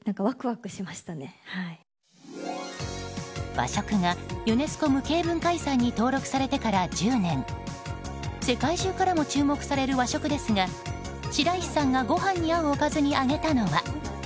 和食がユネスコ無形文化遺産に登録されてから１０年世界中からも注目される和食ですが白石さんが、ご飯に合うおかずに挙げたのは。